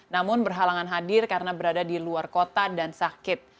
namun berhalangan hadir karena berada di luar kota dan sakit